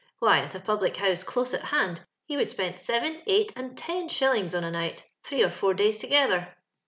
Why, at a public house close at hand, he would spent seven, eight, and ten shillings on a night, three or four days together.